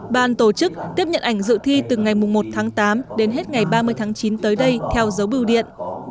ban tổ chức tiếp nhận ảnh dự thi từ ngày một tháng tám đến hết ngày ba mươi tháng chín tới đây theo dấu bưu điện